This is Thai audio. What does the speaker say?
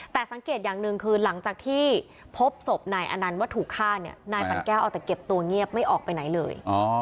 แต่สังเกตอย่างหนึ่งคือหลังจากที่พบศพนายอนันต์ว่าถูกฆ่าเนี่ยนายปั่นแก้วเอาแต่เก็บตัวเงียบไม่ออกไปไหนเลย